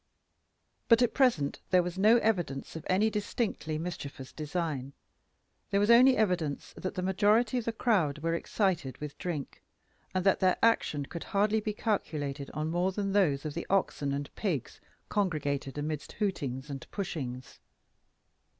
But at present there was no evidence of any distinctly mischievous design. There was only evidence that the majority of the crowd were excited with drink, and that their action could hardly be calculated on more than those of the oxen and pigs congregated amidst hootings and pushings.